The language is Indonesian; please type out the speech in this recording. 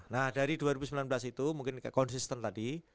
nah dari dua ribu sembilan belas itu mungkin konsisten tadi